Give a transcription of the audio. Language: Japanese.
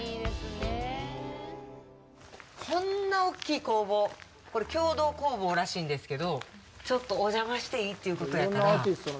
こんな大きい工房これ共同工房らしいんですけどちょっとお邪魔していいということやから。